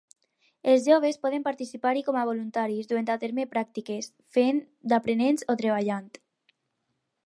Els joves poden participar-hi com a voluntaris, duent a terme pràctiques, fent d'aprenents o treballant.